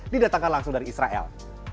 didatangkan langsung dari israel